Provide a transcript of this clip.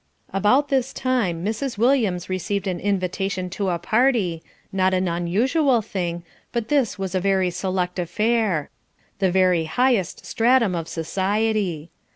About this time Mrs. Williams received an invitation to a party, not an unusual thing, but this was a very select affair; the very highest stratum of society.